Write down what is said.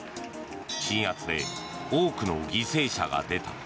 鎮圧で多くの犠牲者が出た。